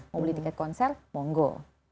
mau beli tiket konser mau go